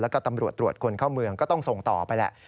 แล้วก็ตำรวจตรวจคนเข้าเมืองก็ต้องส่งต่อไปแหละ